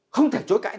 không thể chối cãi